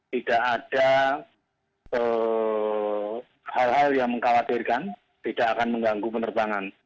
tidak ada hal hal yang mengkhawatirkan tidak akan mengganggu penerbangan